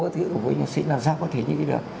thì phụ huynh học sinh làm sao có thể như thế được